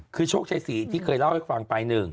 คือโชคชัยศรีที่เคยเล่าให้ฟังไป๑